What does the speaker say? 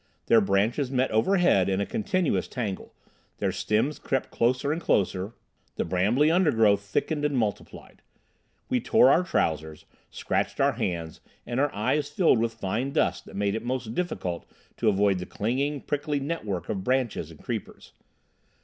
Their branches met overhead in a continuous tangle, their stems crept closer and closer, the brambly undergrowth thickened and multiplied. We tore our trousers, scratched our hands, and our eyes filled with fine dust that made it most difficult to avoid the clinging, prickly network of branches and creepers.